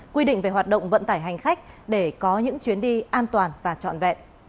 quy định về hoạt động vận tải hành khách để có những chuyến đi an toàn và trọn vẹn